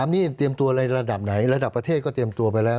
นี่เตรียมตัวในระดับไหนระดับประเทศก็เตรียมตัวไปแล้ว